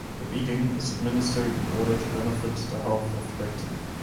The beating is administered in order to benefit the health of the victim.